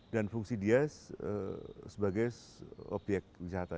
dan fungsi dia sebagai obyek jata